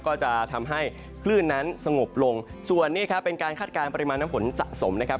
ก็จะทำให้คลื่นนั้นสงบลงส่วนนี้ครับเป็นการคาดการณปริมาณน้ำฝนสะสมนะครับ